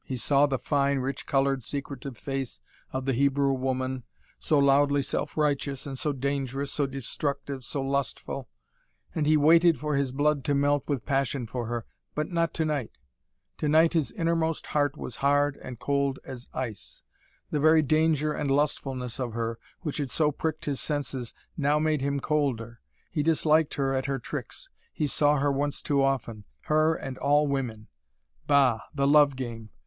He saw the fine, rich coloured, secretive face of the Hebrew woman, so loudly self righteous, and so dangerous, so destructive, so lustful and he waited for his blood to melt with passion for her. But not tonight. Tonight his innermost heart was hard and cold as ice. The very danger and lustfulness of her, which had so pricked his senses, now made him colder. He disliked her at her tricks. He saw her once too often. Her and all women. Bah, the love game!